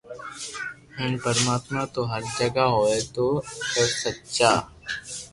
ھين پرماتما تو ھر جگھ ھوئي تو اگر سچا